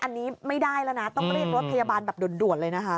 อันนี้ไม่ได้แล้วนะต้องเรียกรถพยาบาลแบบด่วนเลยนะคะ